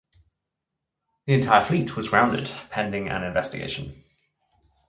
The entire fleet was grounded pending an investigation.